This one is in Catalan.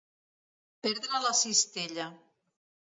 Perdre la cistella.